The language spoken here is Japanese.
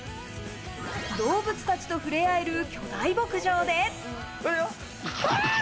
動物たちとふれあえる巨大牧場で。